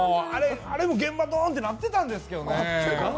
あれも現場、ドンってなってたんですけどね。